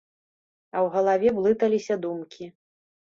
А ў галаве блыталіся думкі.